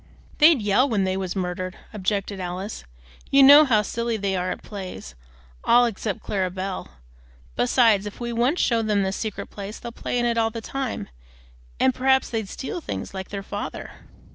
"They'd yell when they was murdered," objected Alice; "you know how silly they are at plays, all except Clara Belle. Besides if we once show them this secret place, they'll play in it all the time, and perhaps they'd steal things, like their father."